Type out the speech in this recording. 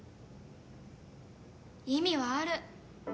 意味はある。